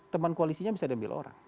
teman koalisinya bisa diambil orang